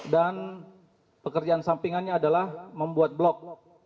dan pekerjaan sampingannya adalah membuat blog